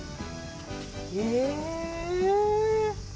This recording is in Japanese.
へえ。